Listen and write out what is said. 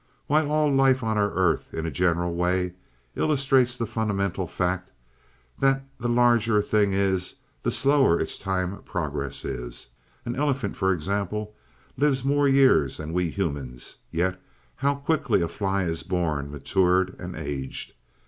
"Why, all life on our earth, in a general way, illustrates the fundamental fact that the larger a thing is, the slower its time progress is. An elephant, for example, lives more years than we humans. Yet how quickly a fly is born, matured, and aged!